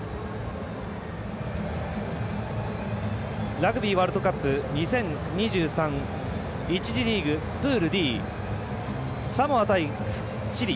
ラグビーワールドカップ２０２３１次リーグ、プールＤサモア対チリ。